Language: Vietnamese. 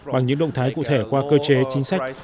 bằng những động thái cụ thể qua cơ chế chính sách